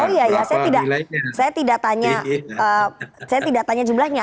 oh iya iya saya tidak tanya jumlahnya